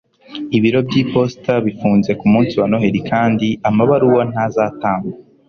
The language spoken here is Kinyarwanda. ibiro by'iposita bifunze ku munsi wa noheri kandi amabaruwa ntazatangwa